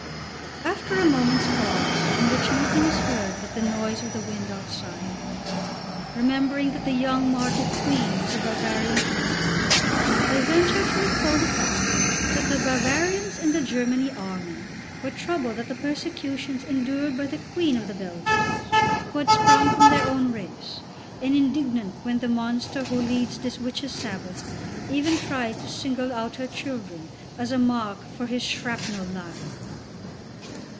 After a moment's pause in which nothing is heard but the noise of the wind outside, remembering that the young martyred Queen was a Bavarian princess, I venture to recall the fact that the Bavarians in the Germany Army were troubled at the persecutions endured by the Queen of the Belgians, who had sprung from their own race, and indignant when the Monster who leads this Witches' Sabbath even tried to single out her children as a mark for his shrapnel lire.